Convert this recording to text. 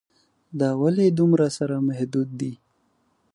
دا ولې دومره سره محدود دي.